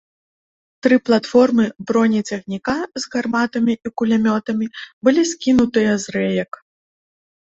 Тры платформы бронецягніка, з гарматамі і кулямётамі, былі скінутыя з рэек.